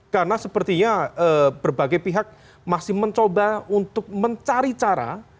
karena sepertinya berbagai pihak masih mencoba untuk mencari cara